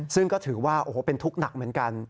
ซึ่งก็ถือว่าโอ้โหเป็นทุกข์หนักเหมือนกัน